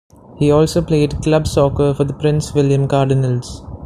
He also played club soccer for the Prince William Cardinals.